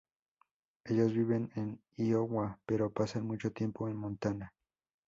Ellos viven en Iowa, pero pasan mucho tiempo en Montana.